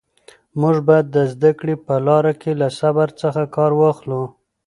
موږ باید د زده کړې په لاره کې له صبر څخه کار واخلو.